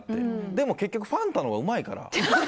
でも結局ファンタのほうがうまいから。